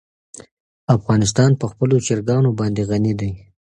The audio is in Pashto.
افغانستان په خپلو چرګانو باندې غني دی.